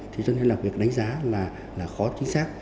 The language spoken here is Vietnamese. thế cho nên là việc đánh giá là khó chính xác